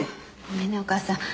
ごめんねお母さん。